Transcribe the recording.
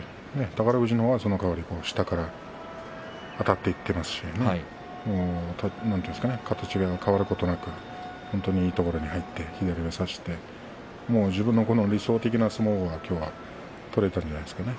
宝富士のほうがその代わり下からあたっていっていますし形が変わることなく、本当にいいところに入って左を差して自分の理想的な相撲が、きょうは取れたんじゃないですかね